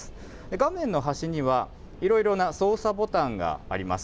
画面の端には、いろいろな操作ボタンがあります。